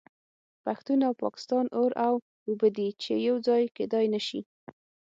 پښتون او پاکستان اور او اوبه دي چې یو ځای کیدای نشي